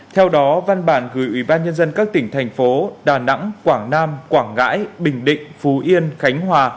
theo đó văn bản gửi ủy ban nhân dân các tỉnh thành phố đà nẵng quảng nam quảng ngãi bình định phú yên khánh hòa